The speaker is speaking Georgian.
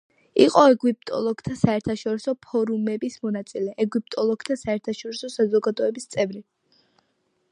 იყო ეგვიპტოლოგთა საერთაშორისო ფორუმების მონაწილე, ეგვიპტოლოგთა საერთაშორისო საზოგადოების წევრი.